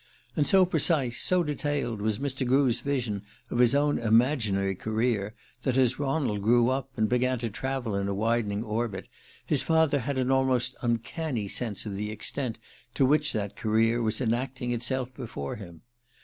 And so precise, so detailed, was Mr. Grew's vision of his own imaginary career, that as Ronald grew up, and began to travel in a widening orbit, his father had an almost uncanny sense of the extent to which that career was enacting itself before him.